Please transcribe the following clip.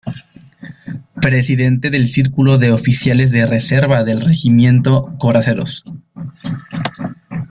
Presidente del Círculo de Oficiales de Reserva del Regimiento Coraceros.